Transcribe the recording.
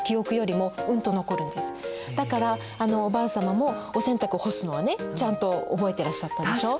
だからあのおばあ様もお洗濯干すのはねちゃんと覚えてらっしゃったでしょ。